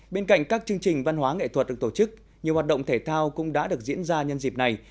bên cạnh các chương trình văn hóa nghệ thuật được tổ chức nhiều hoạt động thể thao cũng đã được diễn ra nhân dịp này